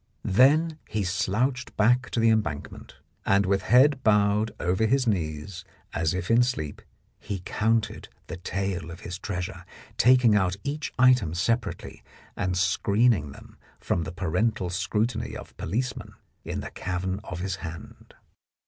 Then he slouched back to the Embank ment, and with head bowed over his knees as if in sleep, he counted the tale of his treasure, taking out each item separately, and screening them from the parental scrutiny of policemen in the cavern of his hand.